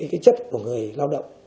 cái chất của người lao động